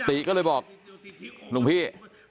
ติก็เลยบอกหลวงพี่